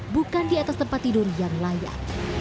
bukan di atas tempat tidur yang layak